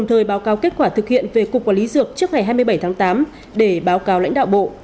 đồng thời báo cáo kết quả thực hiện về cục quản lý dược trước ngày hai mươi bảy tháng tám để báo cáo lãnh đạo bộ